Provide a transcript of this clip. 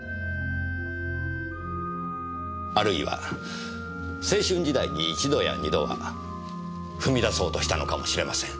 あるいは青春時代に一度や二度は踏み出そうとしたのかもしれません。